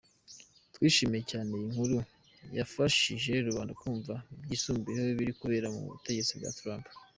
"Twishimiye cyane iyi nkuru yafashije rubanda kumva byisumbuyeho ibiri kubera mu butegetsi bwa Trump.